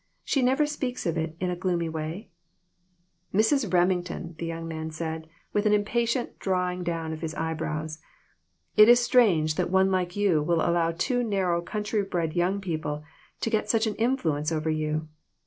She never speaks of it in a gloomy way." " Mrs. Remington !" the young man said, with an impatient drawing down of his eyebrows. " It is strange that one like you will allow two narrow, countrybred young people to get such an influence over you."